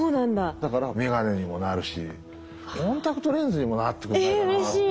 だからめがねにもなるしコンタクトレンズにもなってくれないかなって。